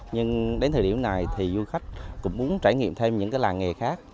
nhưng đến thời điểm này du khách cũng muốn trải nghiệm thêm những làng nghề khác